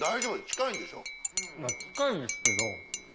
近いですけど。